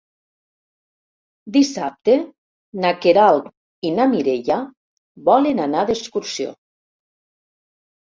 Dissabte na Queralt i na Mireia volen anar d'excursió.